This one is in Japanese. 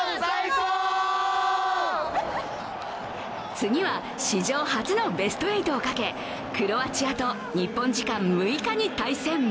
次は史上初のベスト８をかけクロアチアと日本時間６日に対戦。